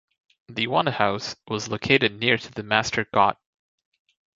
The Wand House was located near to the Master Gott.